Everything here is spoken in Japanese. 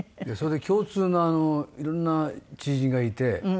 それで共通の色んな知人がいて。